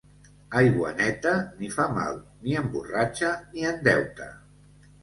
Aigua neta ni fa mal, ni emborratxa, ni endeuta.